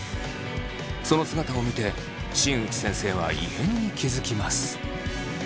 その姿を見て新内先生は異変に気付きます。